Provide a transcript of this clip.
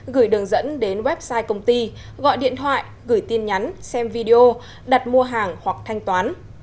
gửi đường dẫn đến website công ty gọi điện thoại gửi tin nhắn xem video đặt mua hàng hoặc thanh toán